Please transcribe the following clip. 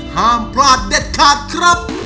ห้ามพลาดเด็ดขาดครับ